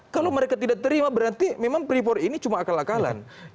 kalau mereka tidak terima berarti memang freeport ini cuma akal akalan